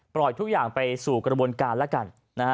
ทุกอย่างไปสู่กระบวนการแล้วกัน